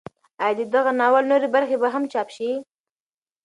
ایا د دغه ناول نورې برخې به هم چاپ شي؟